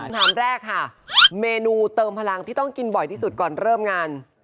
ถามแรกค่ะเมนูเติมพลังที่ต้องกินบ่อยที่สุดก่อนเริ่มงาน